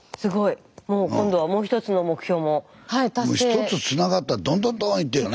１つつながったらどんどんどんいったよ